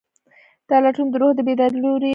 دا لټون د روح د بیدارۍ لوری ټاکي.